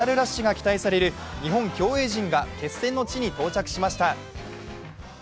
アジア大会でメダルラッシュが期待される日本競泳陣が決戦の地に到着しました。